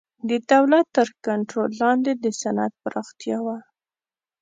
د دولت تر کنټرول لاندې د صنعت پراختیا و.